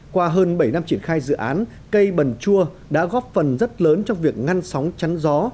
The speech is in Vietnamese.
qua hơn bảy năm triển khai dự án cây bần chua đã góp phần rất lớn trong việc ngăn sóng chắn gió